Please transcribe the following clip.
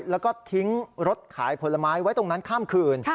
แล้วก็ทิ้งรถขายผลไม้ไว้ตรงนั้นข้ามคืน